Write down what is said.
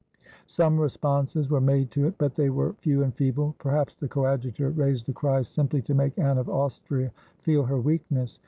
Some responses were made to it, but they were few and feeble. Perhaps the Coadjutor raised the cry simply to make Anne of Austria feel her weakness.